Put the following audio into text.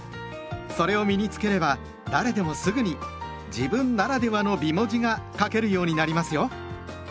それを身に付ければ誰でもすぐに「自分ならではの美文字」が書けるようになりますよ。